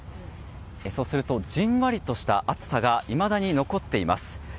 そうすると、じんわりとした暑さが残っています。